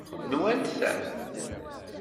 Nwent ta?